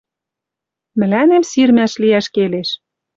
«Мӹлӓнем сирмӓш лиӓш келеш...»